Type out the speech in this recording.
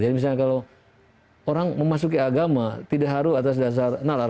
jadi misalnya kalau orang memasuki agama tidak harus atas dasar nalar